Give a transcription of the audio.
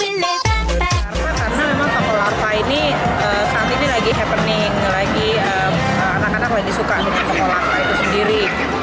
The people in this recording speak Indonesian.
karena memang toko larva ini saat ini lagi happening lagi anak anak lagi suka dengan toko larva itu sendiri